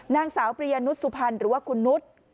นางสาวปริยานุษสุพรรณหรือว่าคุณนุษย์